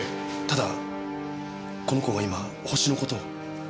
ただこの子が今ホシの事を。